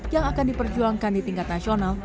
yang akan diperjuangkan di tingkat nasional